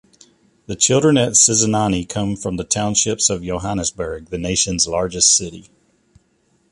The children at Sizanani come from the townships of Johannesburg, the nation's largest city.